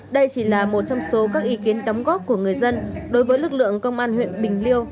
đây chỉ là một trong số các ý kiến đóng góp của người dân đối với lực lượng công an huyện bình liêu